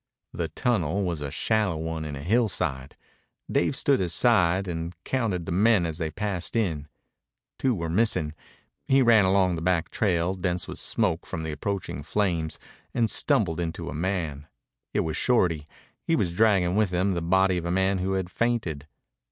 The tunnel was a shallow one in a hillside. Dave stood aside and counted the men as they passed in. Two were missing. He ran along the back trail, dense with smoke from the approaching flames, and stumbled into a man. It was Shorty. He was dragging with him the body of a man who had fainted.